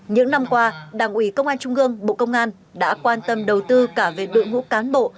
những năm qua đảng ủy công an trung gương bộ công an đã quan tâm đầu tư cả về đội ngũ cán bộ